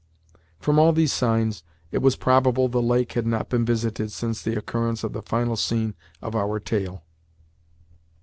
From all these signs, it was probable the lake had not been visited since the occurrence of the final scene of our tale.